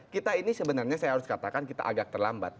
kita ini sebenarnya saya harus katakan kita agak terlambat